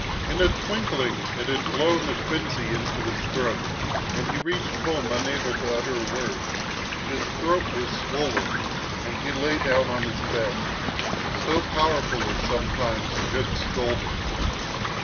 In a twinkling it had blown a quinsy into his throat, and he reached home unable to utter a word. His throat was swollen, and he lay down on his bed. So powerful is sometimes a good scolding!